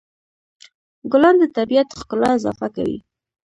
ګلان د طبیعت ښکلا اضافه کوي.